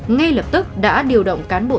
ngay lập tức đã điều động cán bộ dân